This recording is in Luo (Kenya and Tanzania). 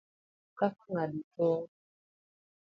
Kaka ng'ado tong',